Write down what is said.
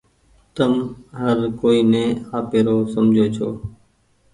تم هر ڪوئي ني آپيرو سمجهو ڇو۔